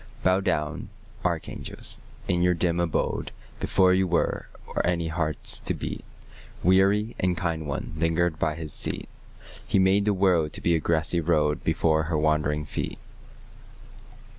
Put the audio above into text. Bow down, archangels, in your dim abode: Before you were, or any hearts to beat, Weary and kind one lingered by His seat; He made the world to be a grassy road Before her wandering feet.